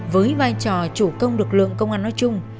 với vai trò chủ công lực lượng công an nói chung